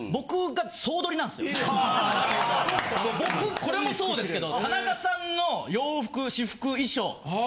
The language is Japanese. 僕これもそうですけど田中さんの洋服。